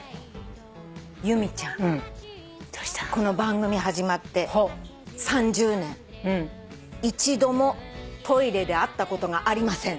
この番組始まって３０年一度もトイレで会ったことがありません。